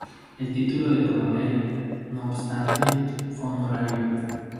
El título de Coronel, no obstante, fue honorario.